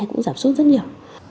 cũng giảm xuất rất nhiều